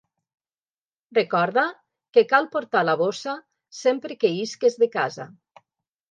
Recorda que cal portar la bossa sempre que isques de casa.